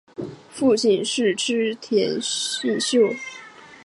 父亲是织田信秀。